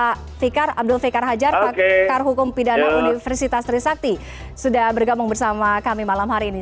pak fikar abdul fikar hajar pakar hukum pidana universitas trisakti sudah bergabung bersama kami malam hari ini